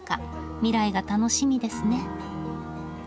未来が楽しみですね。